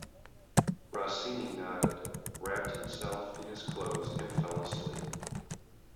Rossini nodded, wrapped himself in his clothes and fell asleep.